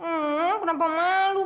hmm kenapa malu